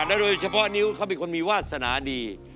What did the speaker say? โดยเฉพาะนิ้วเขาเป็นคนมีวาสนาดี